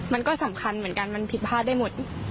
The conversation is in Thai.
มันก็สำคัญเหมือนกันมันผิดพลาดได้หมด